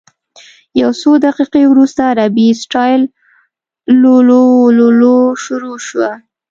یو څو دقیقې وروسته عربي سټایل لللووللوو شروع شوه.